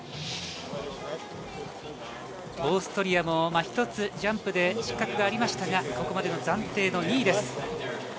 オーストリアも１つジャンプで失格がありましたがここまでの暫定の２位です。